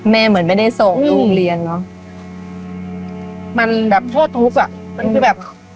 เหมือนไม่ได้ส่งลูกเรียนเนอะมันแบบโทษทุกข์อ่ะมันคือแบบ